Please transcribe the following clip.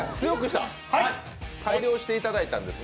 改良していただいたんですね。